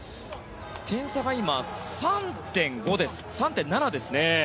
点差が今、３．７です。